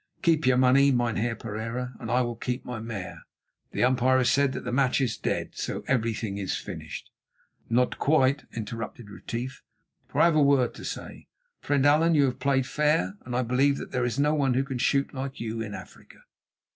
Keep your money, Mynheer Pereira, and I will keep my mare. The umpire has said that the match is dead, so everything is finished." "Not quite," interrupted Retief, "for I have a word to say. Friend Allan, you have played fair, and I believe that there is no one who can shoot like you in Africa."